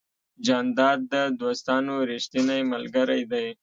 جانداد د دوستانو ریښتینی ملګری دی.